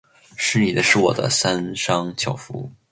是你的；是我的，三商巧福。